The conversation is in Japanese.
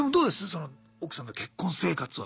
その奥さんと結婚生活は。